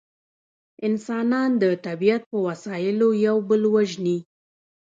انسانان د طبیعت په وسایلو یو بل وژني